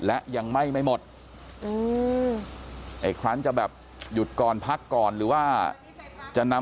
และยังไหม้ไม่หมดอีกครั้งจะแบบหยุดก่อนพักก่อน